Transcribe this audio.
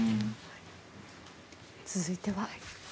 続いては。